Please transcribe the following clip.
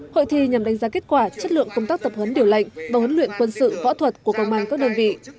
hội thi nhằm đánh giá kết quả chất lượng công tác tập huấn điều lệnh và huấn luyện quân sự võ thuật của công an các đơn vị